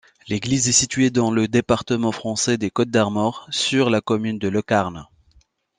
L'église est située dans le département français des Côtes-d'Armor, sur la commune de Locarn.